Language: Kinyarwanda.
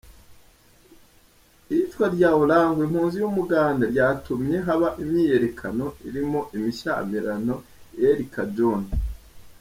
Iyicwa rya Olango, impunzi y’umuganda, ryatumye haba imyiyerekano irimwo imishamirano i El Cajon.